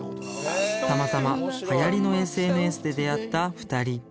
たまたまはやりのＳＮＳで出会った２人